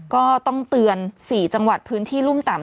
ก็ต้องเตือน๔จังหวัดพื้นที่รุ่มต่ำ